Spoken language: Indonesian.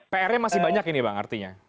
pr nya masih banyak ini bang artinya